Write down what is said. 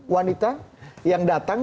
wanita yang datang